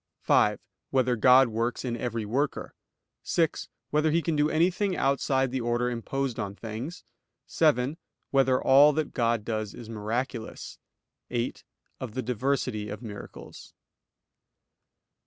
(5) Whether God works in every worker? (6) Whether He can do anything outside the order imposed on things? (7) Whether all that God does is miraculous? (8) Of the diversity of miracles.